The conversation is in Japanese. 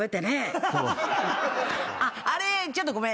あれちょっとごめん。